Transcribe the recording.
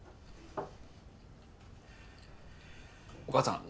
お母さん